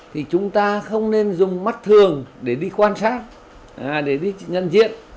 thì chúng ta không nên dùng mắt thường để đi quan sát để đi nhận diện